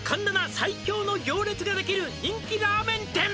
最強の行列ができる」「人気ラーメン店」